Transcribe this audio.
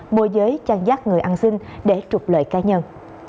mua giấy trang giác người ăn sinh để trục lợi ca nhân